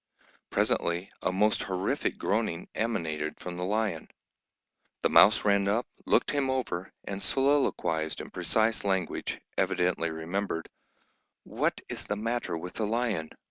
Presently a most horrific groaning emanated from the lion. The mouse ran up, looked him over, and soliloquised in precise language, evidently remembered, "What is the matter with the lion?